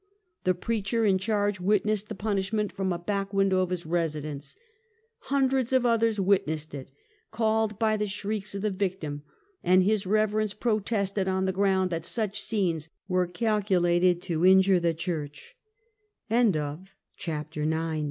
The preacher in charge witnessed the punishment from a back window of his residence. Hundreds of others witnessed it, called by the shrieks of the vic tim; and his reverence protested, on the ground that such scenes were